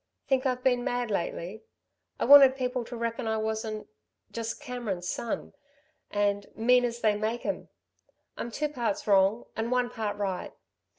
"Think I've been mad lately. I wanted people to reckon I wasn't ... just Cameron's son, and 'mean as they make 'em!' I'm two parts wrong and one part right.